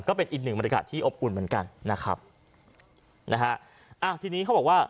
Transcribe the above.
ก็เป็นอีกหนึ่งบรรยากาศที่อบอุ่นเหมือนกันนะครับนะฮะอ่าทีนี้เขาบอกว่า